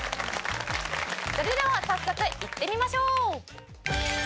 それでは早速いってみましょう。